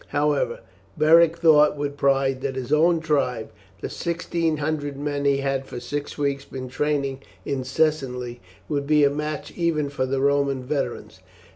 However, Beric thought with pride that his own tribe, the sixteen hundred men he had for six weeks been training incessantly, would be a match even for the Roman veterans.